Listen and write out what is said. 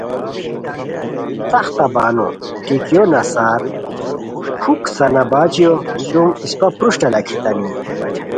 تختہ بانو ٹیکیو نسار پُھک سنا باچیو سُم اِسپہ پروشٹہ لاکھیتانی